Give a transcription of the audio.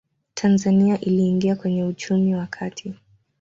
tanzania iliingia kwenye uchumi wa kati